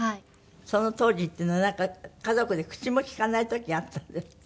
その当時っていうのは家族で口も利かない時あったんですって？